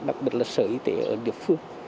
đặc biệt là sở y tế ở địa phương